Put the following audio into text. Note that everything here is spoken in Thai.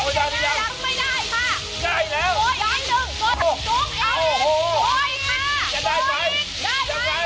ผมว่าเราได้เวลาแล้วล่ะที่จะตามมูลค่า๑ล้านบาท